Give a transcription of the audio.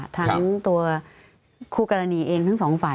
ทั้งตัวคู่กรณีเองทั้งสองฝ่าย